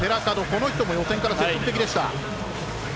この人も予選から積極的でした。